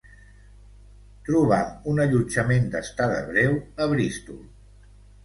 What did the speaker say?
Troba'm un allotjament d'estada breu a Bristol.